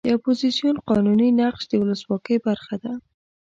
د اپوزیسیون قانوني نقش د ولسواکۍ برخه ده.